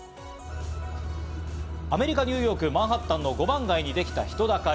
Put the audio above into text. アメリカ・ニューヨーク、マンハッタンの五番街にできた人だかり。